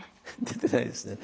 出てないですね。